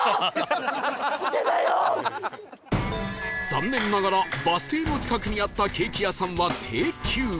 残念ながらバス停の近くにあったケーキ屋さんは定休日